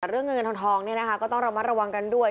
แต่เรื่องเงินเงินทองเนี่ยนะคะก็ต้องระมัดระวังกันด้วย